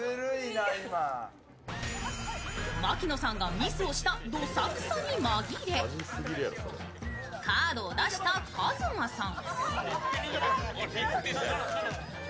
牧野さんがミスをしたどさくさに紛れカードを出したＫＡＺＭＡさん。